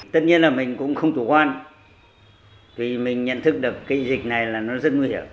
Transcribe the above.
tất nhiên là mình cũng không chủ quan vì mình nhận thức được cái dịch này là nó rất nguy hiểm